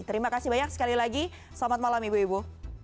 terima kasih banyak sekali lagi selamat malam ibu ibu